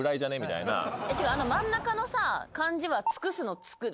あの真ん中のさ漢字は「尽くす」の「尽く」でしょ？